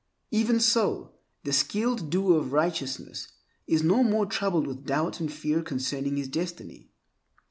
Even so the skilled doer of righteousness is no more troubled with doubt and fear concerning his destiny.